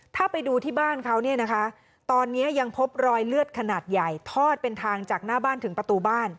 ถ้าไปดูที่บ้านเขาเนี่ยนะคะตอนนี้ยังพบรอยเลือดขนาดใหญ่ทอดเป็นทางจากหน้าบ้านถึงประตูบ้าน